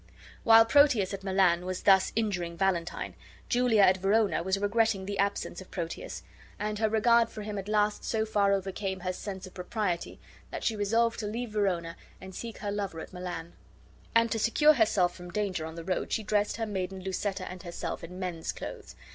While Proteus at Milan was thus injuring Valentine, Julia at Verona was regretting the absence of Proteus; and her regard for him at last so far overcame her sense of propriety that she resolved to leave Verona and seek her lover at Milan; and to secure herself from danger on the road she dressed her maiden Lucetta and herself in men's clothes